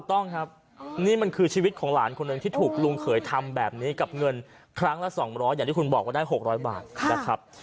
ต้องครับนี่มันคือชีวิตของหลานคนหนึ่งที่ถูกลุงเขยทำแบบนี้กับเงินครั้งละ๒๐๐อย่างที่คุณบอกว่าได้๖๐๐บาทนะครับ